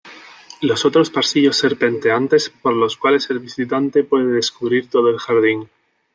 Los otros pasillos serpenteantes por los cuales el visitante puede descubrir todo el jardín.